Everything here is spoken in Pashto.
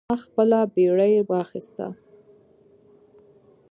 ما خپله بیړۍ واخیسته.